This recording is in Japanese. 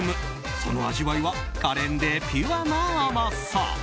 その味わいは可憐でピュアな甘さ。